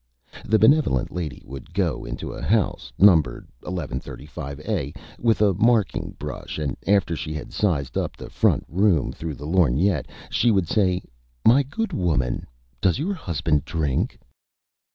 The Benevolent Lady would go into a House numbered 1135A with a Marking Brush, and after she had sized up the front room through the Lorgnette, she would say: "My Good Woman, does your Husband drink?"